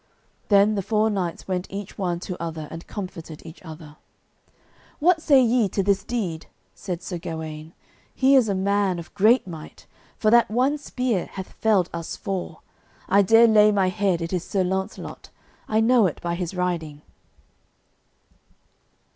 Then the four knights went each one to other and comforted each other. "What say ye to this deed?" said Sir Gawaine. "He is a man of great might, for that one spear hath felled us four. I dare lay my head it is Sir Launcelot; I know it by his riding."